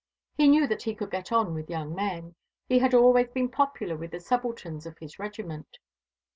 He knew that he could get on with young men. He had always been popular with the subalterns of his regiment.